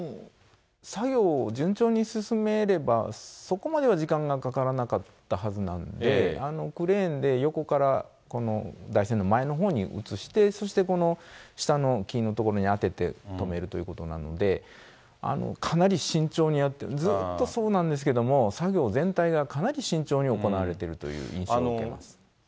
作業を順調に進めれば、そこまでは時間がかからなかったはずなので、クレーンで横から台船の前のほうに移して、そしてこの下の木の所に当てて止めるということなので、かなり慎重にやって、ずっとそうなんですけども、作業全体がかなり慎重に行われているという印象を受けます。